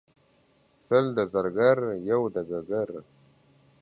سل د زرګر یو دګګر.